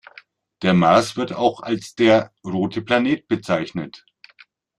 Der Mars wird auch als der „rote Planet“ bezeichnet.